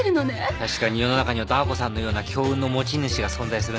確かに世の中にはダー子さんのような強運の持ち主が存在するね。